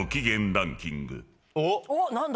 おっ何だ？